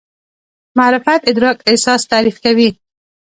معرفت ادراک اساس تعریف کوي.